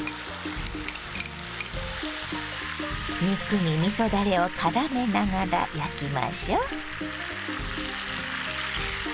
肉にみそだれをからめながら焼きましょう。